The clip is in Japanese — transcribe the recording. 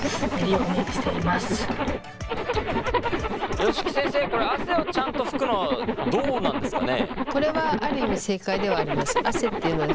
吉木先生これ汗をちゃんと拭くのどうなんですかね？